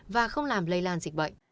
và không làm lây lan dịch bệnh